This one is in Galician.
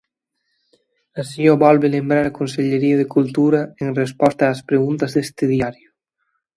Así o volve lembrar a Consellería de Cultura en resposta ás preguntas deste diario.